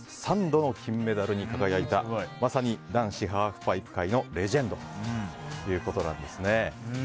３度の金メダルに輝いたまさに男子ハーフパイプ界のレジェンドということなんですね。